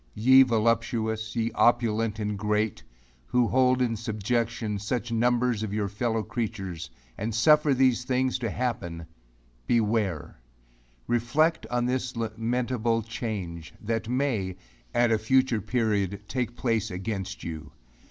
Ye voluptuous, ye opulent and great, who hold in subjection such numbers of your fellow creatures, and suffer these things to happen beware! Reflect on this lamentable change, that may, at a future period, take place against you.